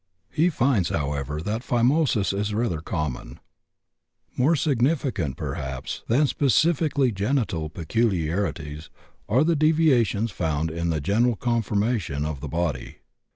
He finds, however, that phimosis is rather common. More significant, perhaps, than specifically genital peculiarities are the deviations found in the general conformation of the body.